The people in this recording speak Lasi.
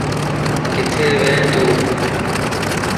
ڪٿي وي تون